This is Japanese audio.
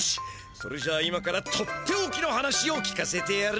それじゃ今からとっておきの話を聞かせてやる！